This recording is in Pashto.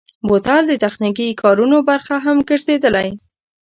بوتل د تخنیکي کارونو برخه هم ګرځېدلی.